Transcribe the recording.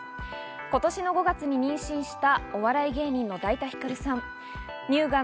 今年の５月に妊娠した、お笑い芸人のだいたひかるさん。